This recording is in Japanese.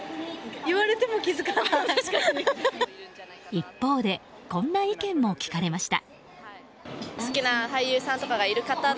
一方でこんな意見も聞かれました。